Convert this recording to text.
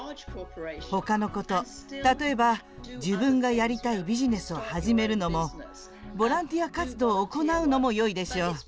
ほかのこと、例えば、自分がやりたいビジネスを始めるのもボランティア活動を行うのもよいでしょう。